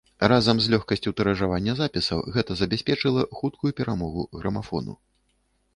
Разам з лёгкасцю тыражавання запісаў гэта забяспечыла хуткую перамогу грамафону.